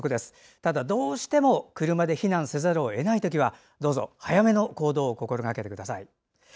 ただ、どうしても車で避難せざるを得ないときはどうぞ早めの行動を心がけてください。